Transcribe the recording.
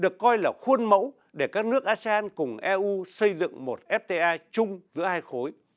được coi là khuôn mẫu để các nước asean cùng eu xây dựng một fta chung giữa hai khối